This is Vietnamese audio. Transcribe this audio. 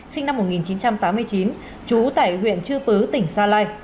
sinh năm một nghìn chín trăm tám mươi chín chú tại huyện chư pứ tỉnh sa lai